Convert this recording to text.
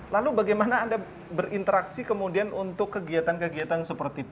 lalu bagaimana anda berinteraksi kemudian untuk kegiatan kegiatan seperti itu